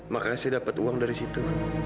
makanya saya dapat uang dari situ